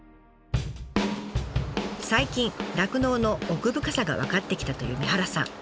最近酪農の奥深さが分かってきたという三原さん。